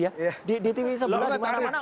jadi satu tahun pertama